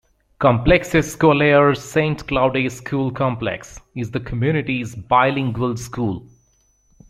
Complexe Scolaire Saint Claude School Complex is the community's bilingual school.